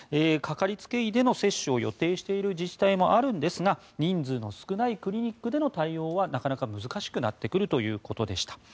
かかりつけ医での接種を予定している自治体もあるんですが人数の少ないクリニックでの対応はなかなか難しくなってくるということでした。